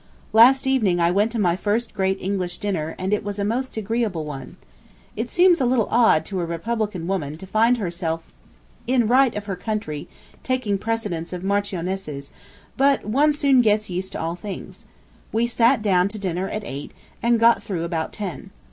Last evening I went to my first great English dinner and it was a most agreeable one. ... It seems a little odd to a republican woman to find herself in right of her country taking precedence of marchionesses, but one soon gets used to all things. We sat down to dinner at eight and got through about ten.